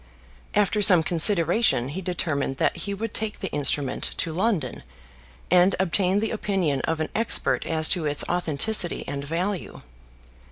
After some consideration he determined that he would take the instrument to London, and obtain the opinion of an expert as to its authenticity and value.